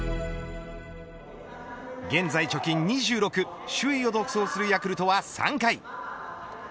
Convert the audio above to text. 現在貯金２６首位を独走するヤクルトは３回。